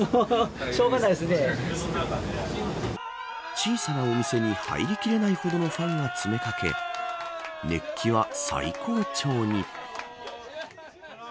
小さなお店に入りきれないほどのファンが詰めかけ熱気は最高潮に。